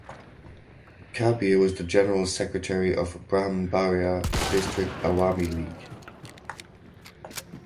Kabir was the general secretary of Brahmanbaria District Awami League.